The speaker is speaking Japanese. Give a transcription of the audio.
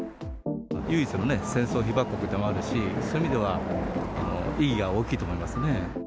唯一の戦争被爆国でもあるし、そういう意味では、意義が大きいと思いますね。